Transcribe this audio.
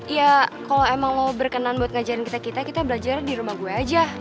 ya kalau emang lo berkenan buat ngajarin kita kita belajar di rumah gue aja